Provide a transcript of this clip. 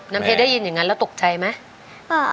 เพลงได้ยินอย่างนั้นแล้วตกใจไหม